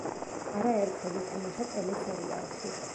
არაერთხელ ითამაშა ტელესერიალში.